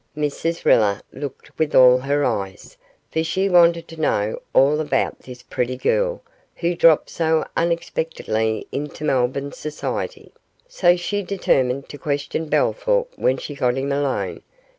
Mrs Riller looked with all her eyes, for she wanted to know all about this pretty girl who dropped so unexpectedly into Melbourne society, so she determined to question Bellthorp when she got him alone.